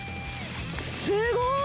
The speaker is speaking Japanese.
すごい。